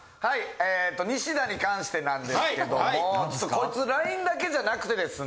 えっとニシダに関してなんですけども実はこいつＬＩＮＥだけじゃなくてですね。